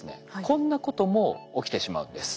こんなことも起きてしまうんです。